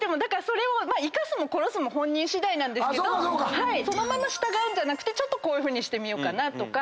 それを生かすも殺すも本人しだいなんですけどそのまま従うんじゃなくてちょっとこういうふうにしてみようとか。